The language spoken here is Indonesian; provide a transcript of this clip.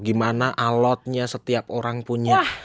gimana alotnya setiap orang punya